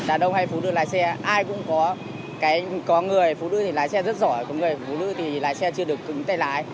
là đâu hay phụ nữ lái xe ai cũng có người phụ nữ thì lái xe rất giỏi có người phụ nữ thì lái xe chưa được cứng tay lái